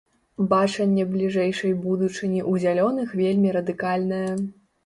Бачанне бліжэйшай будучыні ў зялёных вельмі радыкальнае.